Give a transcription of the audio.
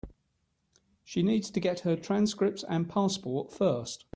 She needs to get her transcripts and passport first.